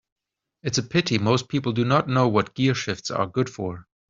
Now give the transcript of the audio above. It's a pity most people do not know what gearshifts are good for.